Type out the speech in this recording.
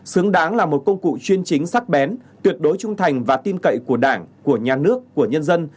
xứng đáng là một công cụ chuyên chính sắc bén tuyệt đối trung thành và tin cậy của đảng của nhà nước của nhân dân